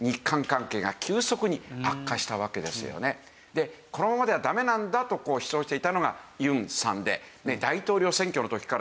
でこのままではダメなんだと主張していたのがユンさんで大統領選挙の時からですね